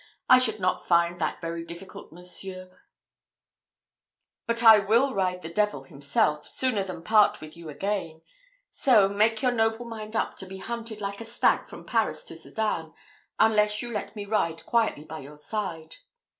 "I should not find that very difficult, monseigneur; but I will ride the devil himself, sooner than part with you again; so, make your noble mind up to be hunted like a stag from Paris to Sedan, unless you let me ride quietly by your side."